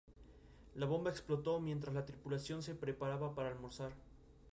La bomba explotó mientras la tripulación se preparaba para almorzar.